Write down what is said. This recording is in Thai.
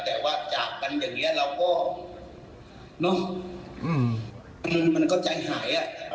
แต่ว่าจากกันอย่างนี้เราก็เนอะมันก็ใจหายอ่ะ